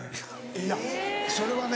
いやそれはね